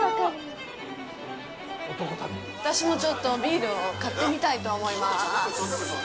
私もちょっとビールを買ってみたいと思います。